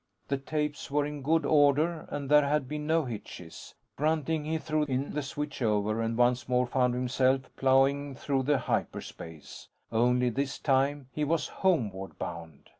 The tapes were in good order, and there had been no hitches. Grunting, he threw in the switch over and once more found himself plowing through hyperspace. Only this time, he was homeward bound.